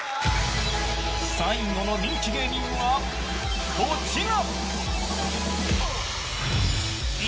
最後の人気芸人は、こちら。